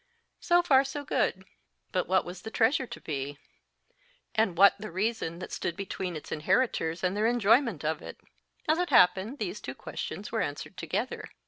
So far, so good ; but what was the treasure to be ? And what the reason that stood between its inheritors and their enjoyment of it ? As it happened, these two questions were answered together.